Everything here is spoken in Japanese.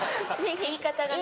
言い方がね。